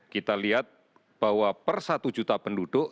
kita lihat bahwa per satu juta penduduk